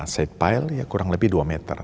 safe pile ya kurang lebih dua meter